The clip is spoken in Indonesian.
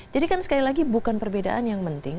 jadi kan sekali lagi bukan perbedaan yang penting